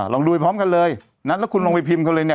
ลุยพร้อมกันเลยนัดแล้วคุณลองไปพิมพ์เขาเลยเนี่ย